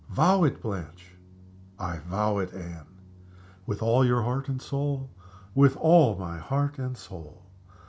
Vow it, Blanche!" "I vow it, Anne!" "With all your heart and soul?" "With all my heart and soul!"